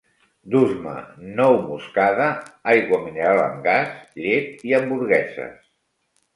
Dus-me nou moscada, aigua mineral amb gas, llet i hamburgueses